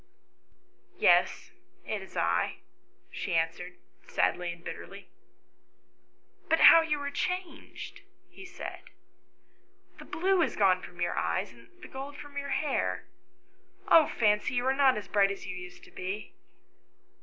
" Yes, it is I," she answered, sadly and bitterly. " But how you are changed!" he said. " The blue is gone from your eyes, and the gold from your hair. Oh, Fancy, you are not so bright as you used to be."